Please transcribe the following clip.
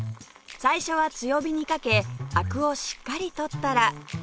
最初は強火にかけアクをしっかり取ったら